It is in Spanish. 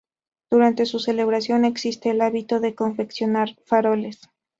Durante su celebración existe el hábito de confeccionar faroles.